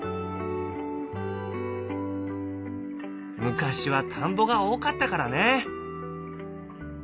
昔は田んぼが多かったからね。